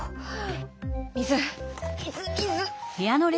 水水水！